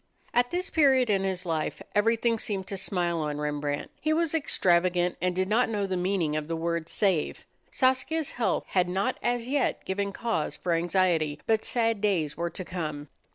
At this period in his life everything seemed to smile on Rembrandt. He was extravagant and did not know the meaning of the word "save." Saskia's health had not as yet given cause for anxiety. But sad days were to come.